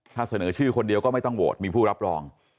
ถ้าเสนอชื่อคนเดียวก็ไม่ต้องโหวตมีผู้รับรอง